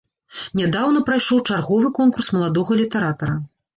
Нядаўна прайшоў чарговы конкурс маладога літаратара.